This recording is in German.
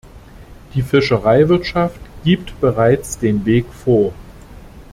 Die Fischereiwirtschaft gibt bereits den Weg vor.